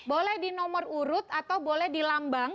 boleh di nomor urut atau boleh di lambang